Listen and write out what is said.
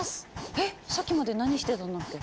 えっさっきまで何してたんだっけ？